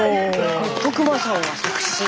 徳磨さんが作詞。